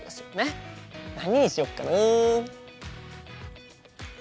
何にしよっかな？